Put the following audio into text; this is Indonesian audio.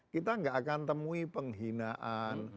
kita akan temui penghinaan